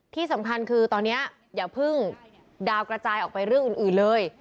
ที่สำคัญคือตอนนี้อย่าเพิ่งดาวกระจายออกไปเรื่องอื่นเลย